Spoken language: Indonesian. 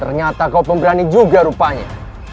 ternyata kau pemberani juga rupanya